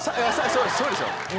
そうですよ。